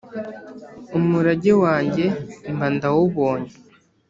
umurage wange mba ndawubonye.